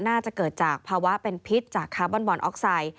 น่าจะเกิดจากภาวะเป็นพิษจากคาร์บอนบอนออกไซด์